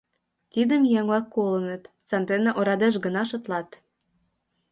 Тидым еҥ-влак колыныт, сандене орадеш гына шотлат.